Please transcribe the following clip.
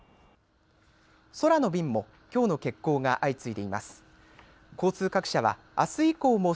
空の便もきょうの欠航が相次いでいます。